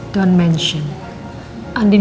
saat mama tau kau cintai andien